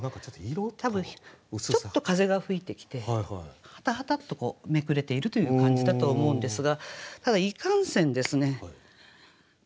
多分ちょっと風が吹いてきてハタハタとめくれているという感じだと思うんですがただいかんせんですね